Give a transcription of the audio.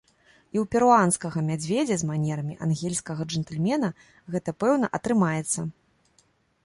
І ў перуанскага мядзведзя з манерамі ангельскага джэнтльмена гэта пэўна атрымаецца!